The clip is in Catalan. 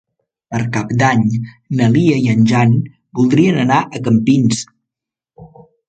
Per Cap d'Any na Lia i en Jan voldrien anar a Campins.